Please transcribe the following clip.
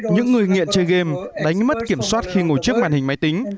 những người nghiện chơi game đánh mất kiểm soát khi ngồi trước màn hình máy tính